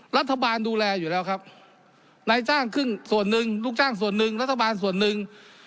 รัฐบาลดูแลอยู่แล้วครับนายจ้างขึ้นส่วนหนึ่งลูกจ้างส่วนหนึ่งรัฐบาลส่วนหนึ่ง